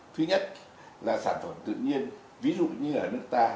thứ nhất là sản phẩm tự nhiên ví dụ như ở nước ta